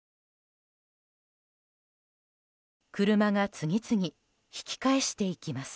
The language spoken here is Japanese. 車が次々、引き返していきます。